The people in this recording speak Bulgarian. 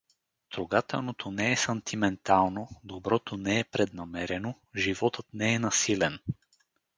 Трогателното не е сантиментално, доброто не е преднамерено, животът не е насилен.